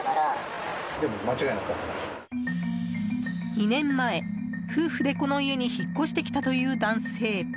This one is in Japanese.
２年前、夫婦でこの家に引っ越してきたという男性。